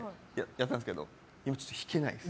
やったんですけどちょっと弾けないです。